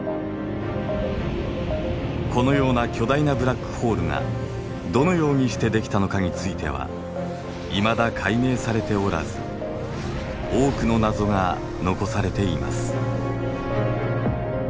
このような巨大なブラックホールがどのようにしてできたのかについてはいまだ解明されておらず多くの謎が残されています。